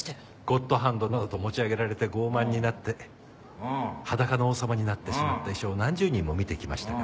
ゴッドハンドなどと持ち上げられて傲慢になって裸の王様になってしまった医者を何十人も見てきましたから。